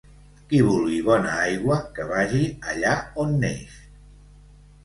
Qui vulgui bona aigua que vagi allà on neix.